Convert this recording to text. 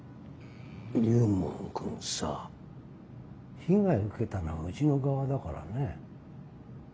龍門くんさ被害受けたのはうちの側だからね。